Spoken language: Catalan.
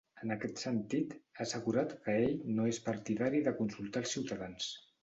En aquest sentit, ha assegurat que ell no és partidari de consultar els ciutadans.